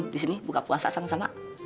disini buka puasa sama sama